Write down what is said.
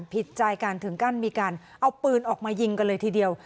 ผิดใจกันถึงขั้นมีการเอาปืนออกมายิงกันเลยทีเดียว